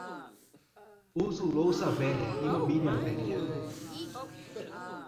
Uso louça velha e mobília velha.